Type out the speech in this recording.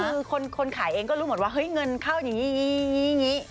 คือคนขายเองก็รู้หมดว่าเฮ้ยเงินเข้าอย่างนี้อย่างนี้